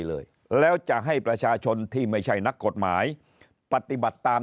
เลยแล้วจะให้ประชาชนที่ไม่ใช่นักกฎหมายปฏิบัติตาม